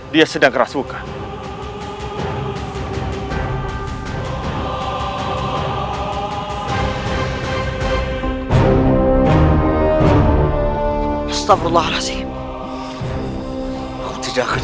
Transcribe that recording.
dan yang keluar kamu menggunakan